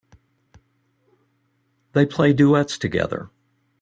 They play duets together.